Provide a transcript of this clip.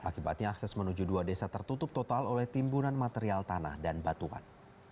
akibatnya akses menuju dua desa tertutup total oleh timbunan material tanah dan batuan